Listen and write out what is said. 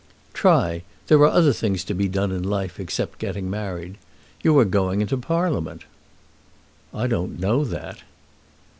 "Try. There are other things to be done in life except getting married. You are going into Parliament." "I don't know that."